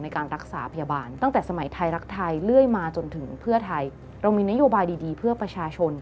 ในการรักษาพยาบาล